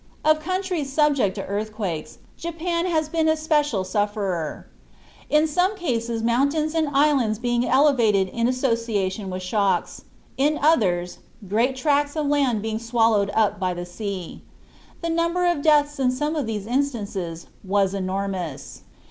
Of countries subject to earthquakes, Japan has been an especial sufferer, in some cases mountains or islands being elevated in association with shocks; in others, great tracts of land being swallowed up by the sea. The number of deaths in some of these instances was enormous.